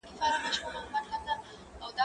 زه اوږده وخت نان خورم؟